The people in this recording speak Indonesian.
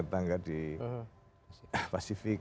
tetangga di pasifik